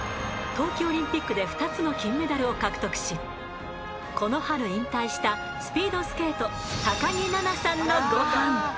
冬季オリンピックで２つの金メダルを獲得しこの春引退したスピードスケート木菜那さんのゴハン。